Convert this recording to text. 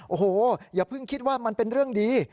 โอ้โหอย่าเพิ่งคิดว่ามันเป็นเรื่องดี